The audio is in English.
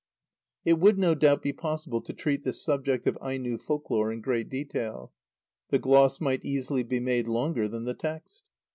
It would, no doubt, be possible to treat the subject of Aino folk lore in great detail. The gloss might easily be made longer than the text.